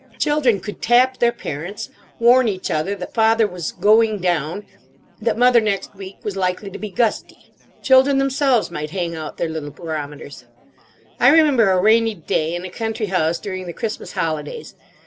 Children could tap their parents, warn each other that father was "going down;" that mother next week was likely to be "gusty." Children themselves might hang out their little barometers. I remember a rainy day in a country house during the Christmas holidays.